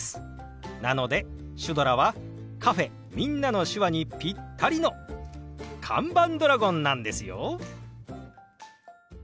なのでシュドラはカフェ「みんなの手話」にピッタリの看板ドラゴンなんですよ。